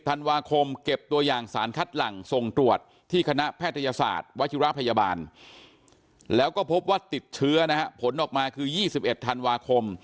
ธันวาคมเก็บตัวอย่างสารคัดหลังส่งตรวจที่คณะแพทยศาสตร์วัชิระพยาบาลแล้วก็พบว่าติดเชื้อนะฮะผลออกมาคือ๒๑ธันวาคม